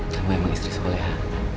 kamu emang istri seolah ya